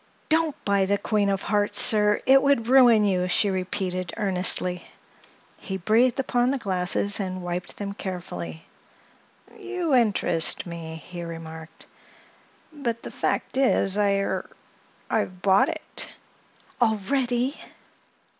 "Don't buy the Queen of Hearts, sir; it would ruin you," she repeated earnestly. He breathed upon the glasses and wiped them carefully. "You interest me," he remarked. "But, the fact is, I—er—I've bought it." "Already!"